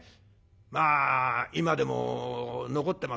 まあ今でも残ってますね。